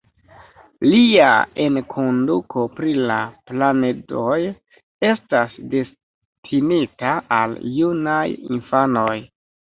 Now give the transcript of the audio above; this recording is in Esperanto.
Lia enkonduko pri la planedoj estas destinita al junaj infanoj.